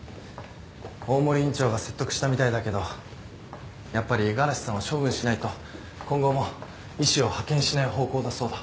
大森院長が説得したみたいだけどやっぱり五十嵐さんを処分しないと今後も医師を派遣しない方向だそうだ。